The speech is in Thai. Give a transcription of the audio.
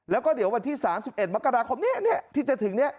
แล้วก็เดี๋ยววันที่๓๑มกราคมนี้ที่จะถึงนี้